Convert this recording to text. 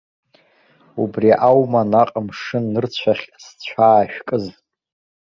Убри аума наҟ мшыннырцәахь зцәаа шәкыз?